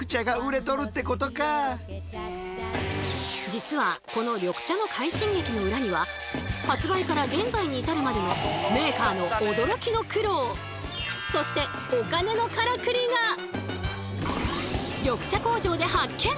実はこの緑茶の快進撃の裏には発売から現在に至るまでのメーカーの驚きの苦労そして緑茶工場で発見！